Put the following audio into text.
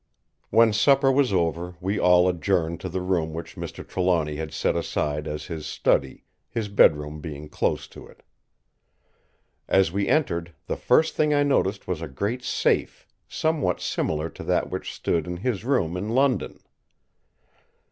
When supper was over we all adjourned to the room which Mr. Trelawny had set aside as his study, his bedroom being close to it. As we entered, the first thing I noticed was a great safe, somewhat similar to that which stood in his room in London.